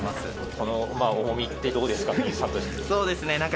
この重みってどうですか？